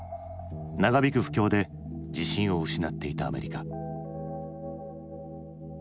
長引く不況で自信を失っていたアメリカ。